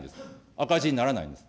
赤字にならないんです。